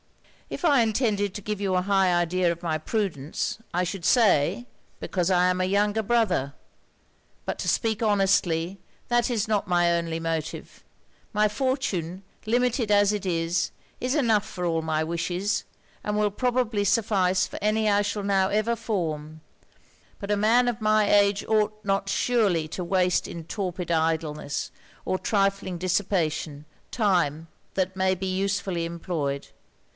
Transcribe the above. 'If I intended to give you a high idea of my prudence, I should say, because I am a younger brother. But to speak honestly, that is not my only motive; my fortune, limited as it is, is enough for all my wishes, and will probably suffice for any I shall now ever form; but a man of my age ought not surely to waste in torpid idleness, or trifling dissipation, time that may be usefully employed.